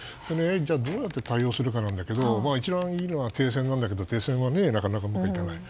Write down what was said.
どうやって対応するかなんだけど一番いいのは停戦なんだけど停戦はなかなかうまくいかない。